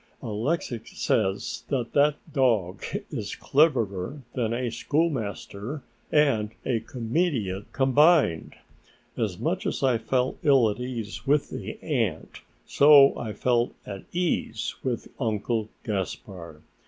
Alexix says that that dog is cleverer than a schoolmaster and a comedian combined." As much as I felt ill at ease with the aunt, so I felt at ease with Uncle Gaspard.